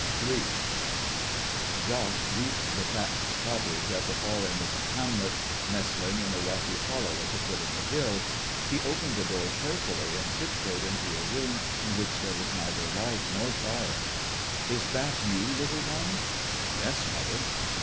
III. Jacques reached the thatched cottage at the far end of the hamlet, nestling in a rocky hollow at the foot of the hill. He opened the door carefully, and tiptoed into a room in which there was neither light nor fire. "Is that you, little one?" "Yes, mother."